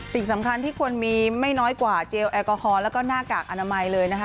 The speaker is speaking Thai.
สิ่งสำคัญที่ควรมีไม่น้อยกว่าเจลแอลกอฮอลแล้วก็หน้ากากอนามัยเลยนะคะ